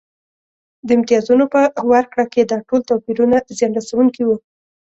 د امتیازونو په ورکړه کې دا ډول توپیرونه زیان رسونکي وو